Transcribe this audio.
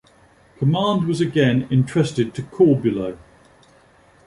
Command was again entrusted to Corbulo.